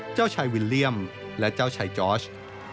เจ้าชายวิลเลี่ยมและเจ้าชายจอร์ช